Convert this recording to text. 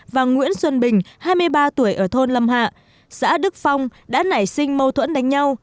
và nguyễn xuân bình hai mươi ba tuổi ở thôn lâm hạ xã đức phong đã nảy sinh mâu thuẫn đánh nhau